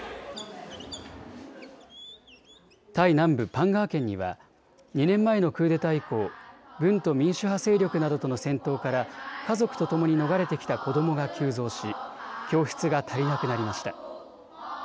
タイ南部パンガー県には２年前のクーデター以降、軍と民主派勢力などとの戦闘から家族とともに逃れてきた子どもが急増し教室が足りなくなりました。